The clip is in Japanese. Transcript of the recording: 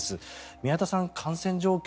宮田さん、感染状況